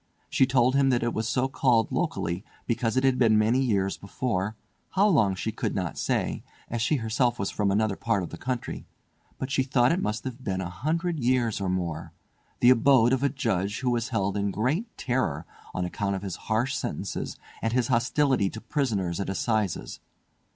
She told him that it was so called locally because it had been many years before—how long she could not say, as she was herself from another part of the country, but she thought it must have been a hundred years or more—the abode of a judge who was held in great terror on account of his harsh sentences and his hostility to prisoners at Assizes.